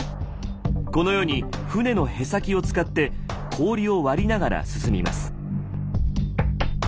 このように船のへさきを使って氷を割りながら進みます。